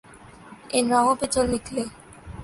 ان راہوں پہ چل نکلے۔